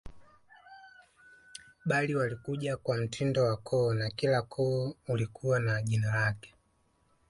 Bali walikuja kwa mtindo wa koo na kila ukoo ulikuwa na jina lake